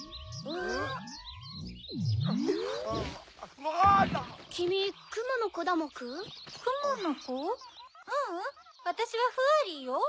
ううんわたしはフワリーよ。